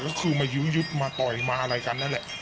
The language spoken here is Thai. ก็คือมายื้อยุดมาต่อยมาอะไรกันนั่นแหละ